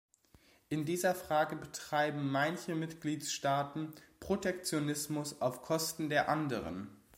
In dieser Frage betreiben manche Mitgliedstaaten Protektionismus auf Kosten der anderen.